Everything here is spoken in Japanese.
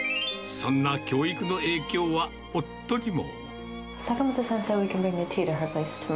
そんな教育の影響は、夫にも。